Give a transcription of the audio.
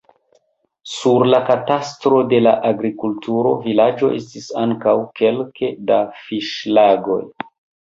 Sur la katastro de la agrikultura vilaĝo estis ankaŭ kelke da fiŝlagoj.